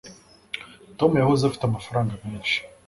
tom yahoze afite amafaranga menshi